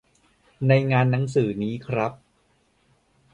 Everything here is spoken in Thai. ในงานหนังสือนี้ครับ